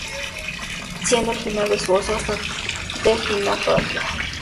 Siendo el final de su uso hasta "The Final Frontier".